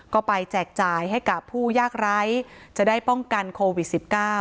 ก็ไปแจกจ่ายให้กับผู้ยากไร้จะได้ป้องกันโควิด๑๙